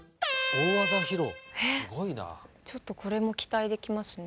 ちょっとこれも期待できますね。